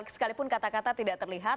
sekalipun kata kata tidak terlihat